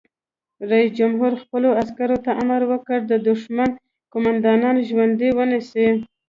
رئیس جمهور خپلو عسکرو ته امر وکړ؛ د دښمن قومندانان ژوندي ونیسئ!